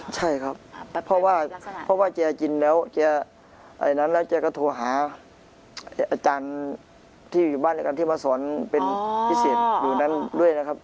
ใช่ครับเพราะว่าแกกินแล้วแกไอ้นั้นแล้วแกก็โทรหาอาจารย์ที่อยู่บ้านด้วยกันที่มาสอนเป็นพิเศษอยู่นั้นด้วยนะครับ